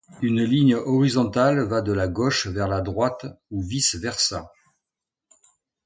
Une ligne horizontale va de la gauche vers la droite ou vice-versa.